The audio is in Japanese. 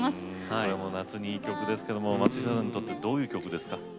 これも夏にいい曲ですけど松下さんにとってどういう曲ですか？